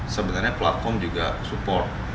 sebenarnya platform juga support